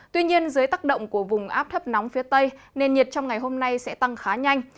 tuy nhiên dưới tác động của vùng áp thấp nóng phía tây nền nhiệt trong ngày hôm nay sẽ tăng khá nhanh